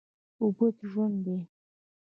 اوبه ژوند دی؟